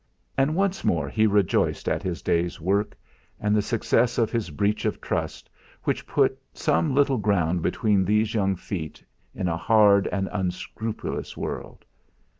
And once more he rejoiced at his day's work, and the success of his breach of trust, which put some little ground beneath these young feet, in a hard and unscrupulous world.